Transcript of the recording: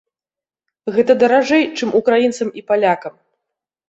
Гэта даражэй, чым украінцам і палякам.